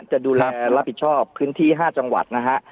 จะดูแลรับผิดชอบพื้นที่๕จังหวัดนะฮะ